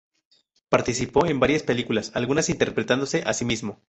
Participó en varias películas, algunas interpretándose a sí mismo.